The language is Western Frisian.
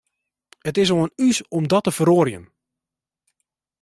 It is oan ús om dat te feroarjen.